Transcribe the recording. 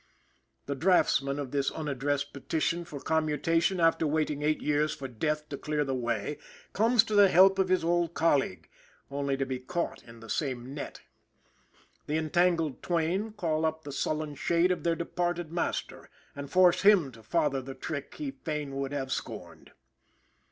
The draughtsman of the unaddressed petition for commutation, after waiting eight years for death to clear the way, comes to the help of his old colleague, only to be caught in the same net. The entangled twain call up the sullen shade of their departed master, and force him to father the trick he fain would have scorned.